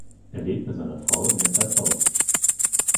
Er lebt mit seiner Frau in Eppertshausen.